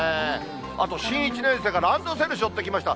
あと、新１年生がランドセルしょってきました。